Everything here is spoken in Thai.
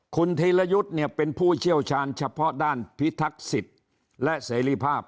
คุณธีรยุทธ์เนี่ยเป็นผู้เชี่ยวชาญเฉพาะด้านพิทักษิตและเสรีภาพ